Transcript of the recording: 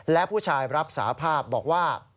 และผู้ชายรับสาภาพบอกว่า